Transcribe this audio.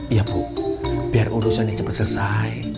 iya bu biar urusannya cepat selesai